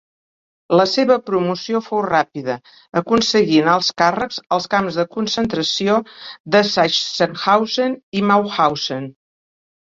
La seva promoció fou ràpida, aconseguint alts càrrecs als camps de concentració de Sachsenhausen i Mauthausen.